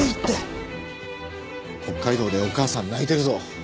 北海道でお母さん泣いてるぞ。